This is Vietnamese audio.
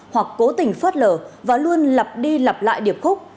hoặc cố tình phớt lở và luôn lặp đi lặp lại điệp khúc